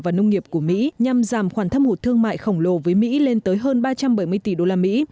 và nông nghiệp của mỹ nhằm giảm khoản thâm hụt thương mại khổng lồ với mỹ lên tới hơn ba trăm bảy mươi tỷ đô la mỹ